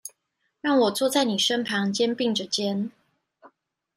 讓我坐在妳身旁，肩並著肩